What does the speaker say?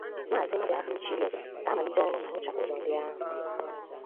' Maazị Madụabụchi rịọzịrị ka a malite ọrụ ma rụchapụ ụzọ ndị ahụ